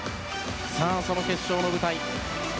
さあ、その決勝の舞台。